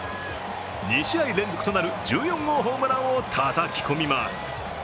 ２試合連続となる１４号ホームランをたたき込みます。